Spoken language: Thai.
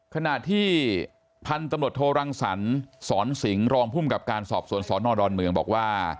ขณะที่พันธรรมดโทรรังสรรค์สอนสิงค์รองพุ่มกับการสอบสวนสอนนรดรเมืองบอกว่า